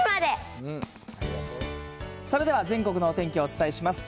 それでは、全国のお天気をお伝えします。